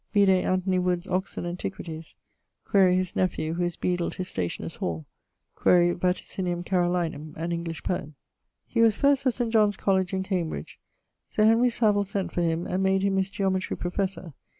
(vide Anthony Wood's Oxon. Antiquit.: quaere his nephew who is beadle to Stationers' Hall; quaere Vaticinium Carolinum, an English poem). He was first of St. John's College in Cambridge. Sir Henry Savill sent for him and made him his geometrie professor.